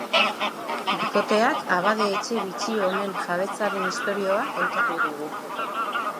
Bikoteak abade etxe bitxi honen jabetzaren istorioa kontatu digu.